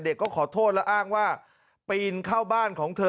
แต่เด็กก็ขอโทษและอ้างว่าไปอินเข้าบ้านของเธอ